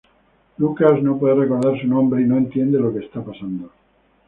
Lucas no puede recordar su nombre y no entiende lo que está pasando.